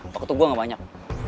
waktu gue nggak banyak